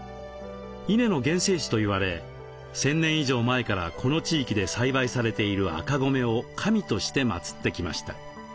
稲の原生種といわれ１，０００年以上前からこの地域で栽培されている赤米を神として祭ってきました。